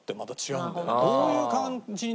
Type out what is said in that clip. どういう感じで。